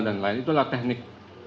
dan lain lain itulah teknik